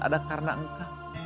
adakah karena engkau